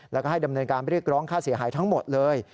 แล้วก็ให้ดำเนินการเรียกร้องค่าเสียหายทั้งหมดเลย